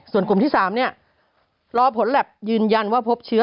ส่วนกลุ่มที่๓รอผลแล็บยืนยันว่าพบเชื้อ